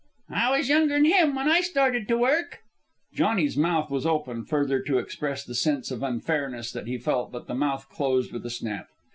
"I was younger'n him when I started to work." Johnny's mouth was open, further to express the sense of unfairness that he felt, but the mouth closed with a snap.